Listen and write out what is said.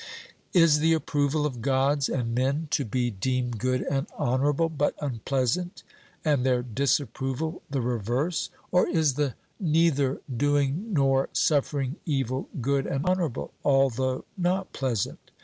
Is the approval of gods and men to be deemed good and honourable, but unpleasant, and their disapproval the reverse? Or is the neither doing nor suffering evil good and honourable, although not pleasant?